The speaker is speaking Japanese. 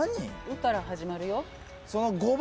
「う」から始まるよ。